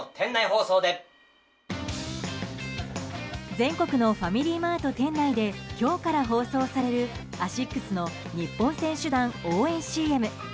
全国のファミリーマート店内で今日から放送されるアシックスの日本選手団応援ＣＭ。